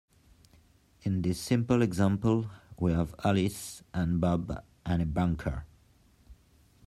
In this simple example we have Alice and Bob and a banker.